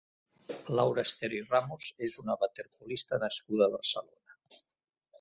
Laura Ester i Ramos és una waterpolista nascuda a Barcelona.